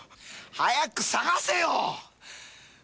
早く捜せよ。